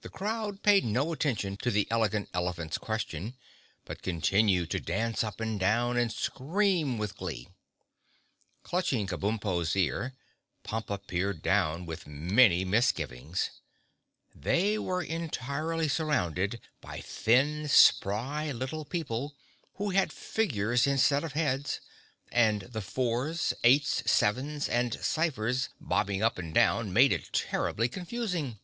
The crowd paid no attention to the Elegant Elephant's question, but continued to dance up and down and scream with glee. Clutching Kabumpo's ear, Pompa peered down with many misgivings. They were entirely surrounded by thin, spry little people, who had figures instead of heads, and the fours, eights, sevens and ciphers bobbing up and down made it terribly confusing.